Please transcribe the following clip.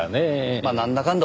まあなんだかんだ